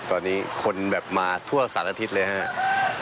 ตอนนี้คนแบบมาทั่วสารอาทิตย์เลยครับ